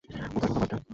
ওদের কথা বাদ দে।